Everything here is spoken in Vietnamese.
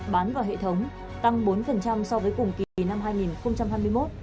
bán vào hệ thống tăng bốn so với cùng kỳ năm hai nghìn hai mươi một